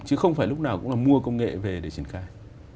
chứ không phải lúc nào cũng là mua công nghệ về để triển khai